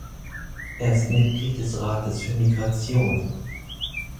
Er ist Mitglied des Rates für Migration.